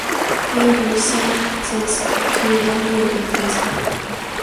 He was sentenced to one year in prison.